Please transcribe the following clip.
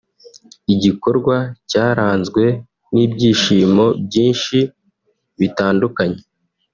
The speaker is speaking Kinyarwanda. igikorwa cyaranzwe n’ibyishimo byinshi bitandukanye